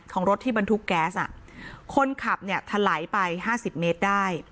ของรถที่บรรทุกแก๊สอ่ะคนขับเนี่ยถลายไปห้าสิบเมตรได้